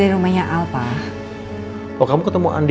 iya kita gak muat